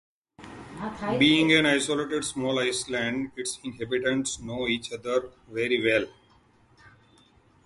Being an isolated small island, its inhabitants know each other very well.